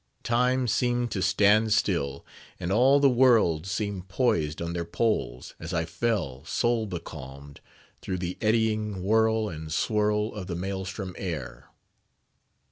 Time seemed to stand still, and all the worlds seemed poised on their poles, as I fell, soul becalmed, through the eddying whirl and swirl of the maelstrom air.